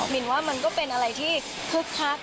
มินว่ามันก็เป็นอะไรที่คึกคัก